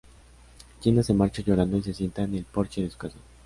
Jenna se marcha llorando y se sienta en el porche de su casa.